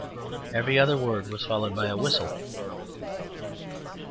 Every other word was followed by a whistle.